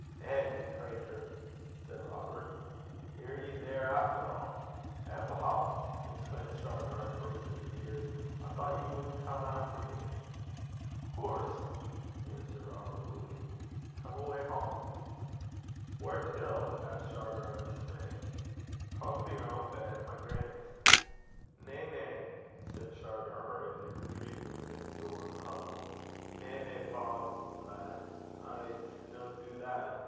'Eh! ye crater!' said Robert, 'ir ye there efter a'? 'Eh! Bob,' exclaimed Shargar, and burst into tears. 'I thocht ye wad come efter me.' 'Of coorse,' answered Robert, coolly. 'Come awa' hame.' 'Whaur til?' asked Shargar in dismay. 'Hame to yer ain bed at my grannie's.' 'Na, na,' said Shargar, hurriedly, retreating within the door of the hovel. 'Na, na, Bob, lad, I s' no du that.